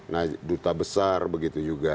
nah duta besar begitu juga